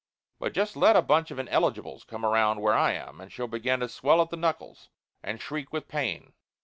But just let a bunch of ineligibles come around where I am, and she'll begin to swell at the knuckles and shriek with pain.